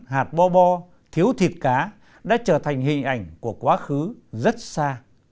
hạt bo thiếu thịt cá đã trở thành hình ảnh của quá khứ rất xa